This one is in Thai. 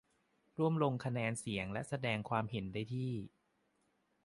ร่วมลงคะแนนเสียง และแสดงความเห็นได้ที่